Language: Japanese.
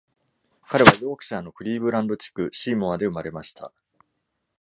彼は、ヨークシャーのクリーブランド地区、シーモアで生まれました。